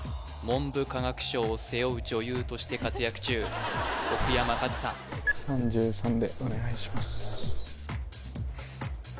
文部科学省を背負う女優として活躍中奥山かずさ３３でお願いします